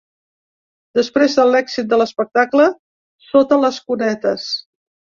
Després de l’èxit de l’espectacle Sota les cunetes.